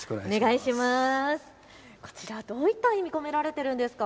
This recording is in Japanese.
こちらどういった意味込められているんですか。